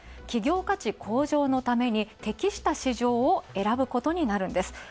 企業価値工場のために適した市場を選ぶことになるんです。